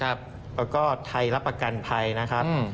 แล้วก็ไทยรับประกันภัยนะครับ